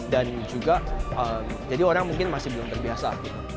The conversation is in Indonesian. dan juga jadi orang mungkin masih belum terbiasa